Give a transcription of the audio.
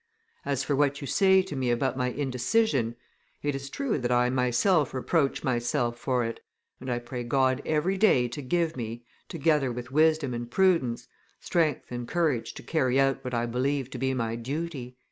As for what you say to me about my indecision, it is true that I myself reproach myself for it, and I pray God every day to give me, together with wisdom and prudence, strength and courage to carry out what I believe to be my duty."